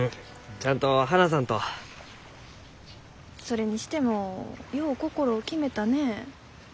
それにしてもよう心を決めたね。